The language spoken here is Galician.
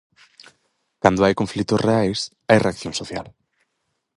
Cando hai conflitos reais, hai reacción social.